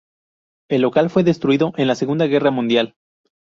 El local fue destruido en la Segunda Guerra Mundial.